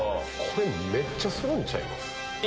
めっちゃするんちゃいます？